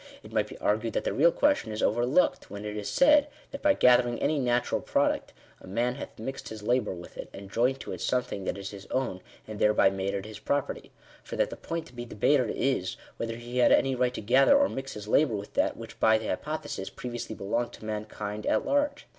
It might be argued that the real question is overlooked, when it is said, that, by gathering any natural product, a man " hath mixed his labour with it, and joined to it something that is his own, and thereby made it his property;" for that the point to be debated is, whether he had any right to gather, or mix his labour with that, which, by the hypothesis, previously belonged to mankind at large.